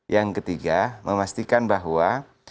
yang ketiga memastikan bahwa